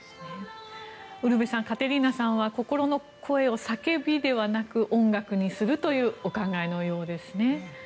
ウルヴェさんカテリーナさんは心の声を叫びではなくて音楽にするというお考えのようですね。